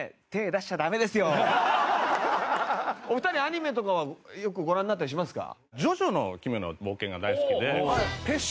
お二人アニメとかはよくご覧になったりしますか？